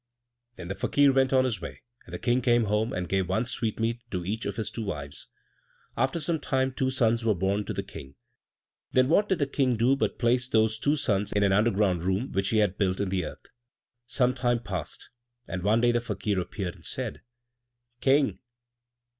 Then the Fakir went on his way, and the King came home and gave one sweetmeat to each of his two wives. After some time two sons were born to the King. Then what did the King do but place those two sons in an underground room, which he had built in the earth. Some time passed, and one day the Fakir appeared, and said, "King!